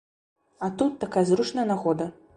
А тут такая зручная нагода.